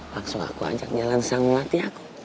langsung aku ajak jalan sama nanti aku